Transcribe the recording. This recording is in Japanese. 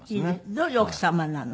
どういう奥様なの？